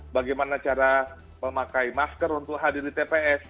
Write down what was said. bagaimana cara memakai masker untuk hadir di tps